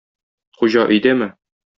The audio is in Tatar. Хуҗа өйдәме?